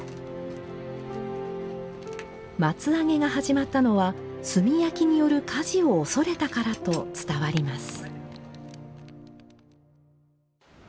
松上げが始まったのは炭焼きによる火事を恐れたからと伝わります。